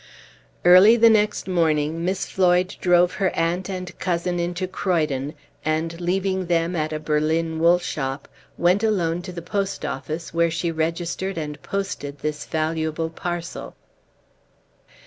Page 17 Early the next morning Miss Floyd drove her aunt and cousin into Croydon, and, leaving them at a Berlin wool shop, went alone to the post office, where she registered and posted this valuable parcel.